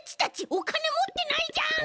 おかねもってないじゃん！